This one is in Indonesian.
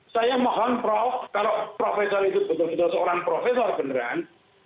saya mohon prof kalau profesor itu betul betul seorang profesor beneran